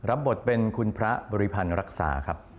รับบทเป็นคุณพระบริพันธ์รักษาครับ